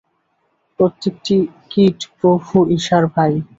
প্রত্যেকটি কীট প্রভু ঈশার ভাই।